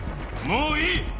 もういい！